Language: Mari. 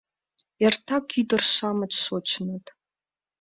Эртак ӱдыр-шамыч шочыныт.